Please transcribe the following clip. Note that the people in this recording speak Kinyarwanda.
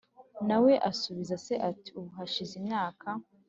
Na we asubiza se ati ubu hashize imyaka